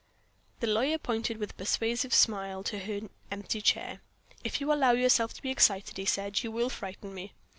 The lawyer pointed with a persuasive smile to her empty chair. "If you allow yourself to be excited," he said, "you will frighten me.